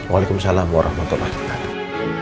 waalaikumsalam warahmatullahi wabarakatuh